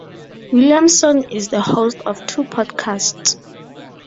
Williamson is the host of two podcasts.